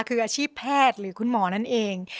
คืออาชีพแพทย์หรือคุณหมอนั่นเอง